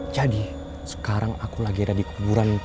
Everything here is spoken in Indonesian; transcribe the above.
jadi sekarang aku lagi ada di kuburan